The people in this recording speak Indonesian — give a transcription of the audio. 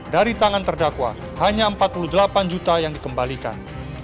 dari tangan terdakwa hanya empat puluh delapan juta yang dikembalikan